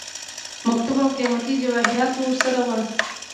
مکتوب او قيمتي جواهراتو ورسره وه.